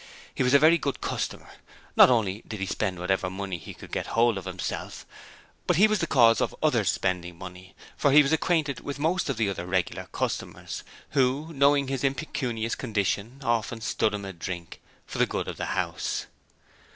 He was a very good customer; not only did he spend whatever money he could get hold of himself, but he was the cause of others spending money, for he was acquainted with most of the other regular customers, who, knowing his impecunious condition, often stood him a drink 'for the good of the house'.